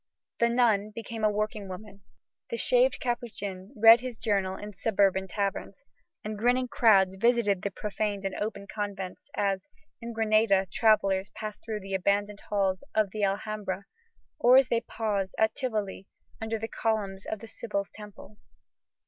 The nun became a working woman; the shaved Capuchin read his journal in suburban taverns; and grinning crowds visited the profaned and open convents "as, in Grenada, travellers pass through the abandoned halls of the Alhambra, or as they pause, at Tivoli, under the columns of the Sibyl's temple."